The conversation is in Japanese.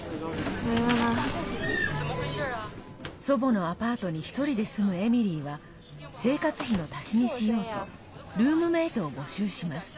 祖母のアパートに１人で住むエミリーは生活費の足しにしようとルームメートを募集します。